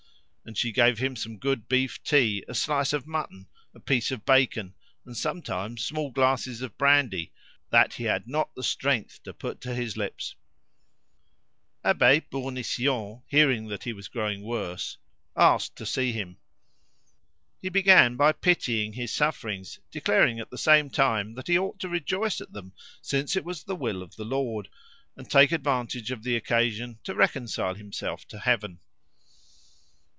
And she gave him some good beef tea, a slice of mutton, a piece of bacon, and sometimes small glasses of brandy, that he had not the strength to put to his lips. Abbe Bournisien, hearing that he was growing worse, asked to see him. He began by pitying his sufferings, declaring at the same time that he ought to rejoice at them since it was the will of the Lord, and take advantage of the occasion to reconcile himself to Heaven.